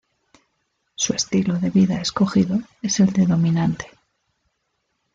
Su estilo de vida escogido es el de dominante.